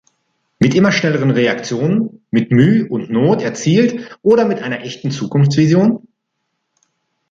Mit immer schnelleren Reaktionen, mit Müh und Not erzielt, oder mit einer echten Zukunftsvision?